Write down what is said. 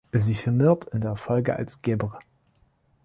Sie firmiert in der Folge als "Gebr.